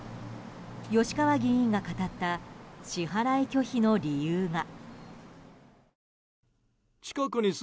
吉川議員が語った支払い拒否の理由が。